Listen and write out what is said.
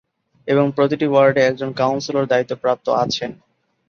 এবং প্রতিটি ওয়ার্ডে একজন কাউন্সিলর দায়িত্বপ্রাপ্ত আছেন।